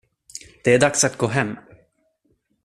Det är dags att gå hem.